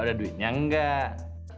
lo ada duitnya nggak